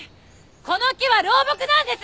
この木は老木なんです！